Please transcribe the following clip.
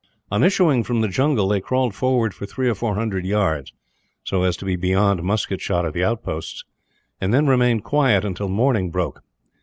On issuing from the jungle they crawled forward for three or four hundred yards, so as to be beyond musket shot of the outposts; and then remained quiet until morning broke.